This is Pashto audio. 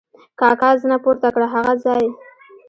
کاکا زنه پورته کړه: هغه ځای!